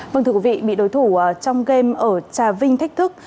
vâng thưa quý vị bị đối thủ trong game ở trà vinh thách thức